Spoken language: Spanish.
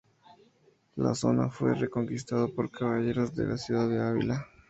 La zona fue reconquistado por caballeros de la ciudad de Ávila.